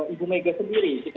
ibu mega sendiri